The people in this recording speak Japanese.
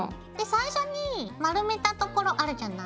最初に丸めた所あるじゃない？